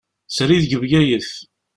Srid seg Bgayet.